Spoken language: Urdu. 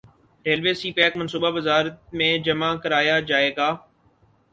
ریلوے سی پیک منصوبہ وزارت میں جمع کرایا جائے گا